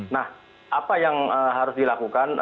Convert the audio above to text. nah apa yang harus dilakukan